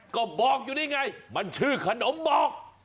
ก็บอกอยู่นี่ไงมันชื่อขนมบอก